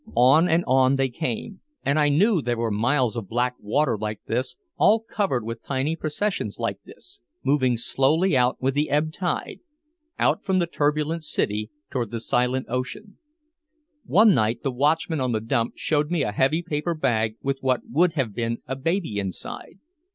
On and on they came. And I knew there were miles of black water like this all covered with tiny processions like this moving slowly out with the ebb tide, out from the turbulent city toward the silent ocean. One night the watchman on the dump showed me a heavy paper bag with what would have been a baby inside.